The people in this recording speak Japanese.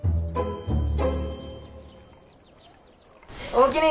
おおきに。